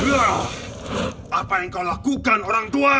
ya apa yang kau lakukan orang tua